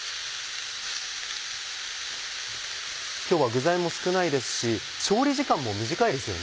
今日は具材も少ないですし調理時間も短いですよね。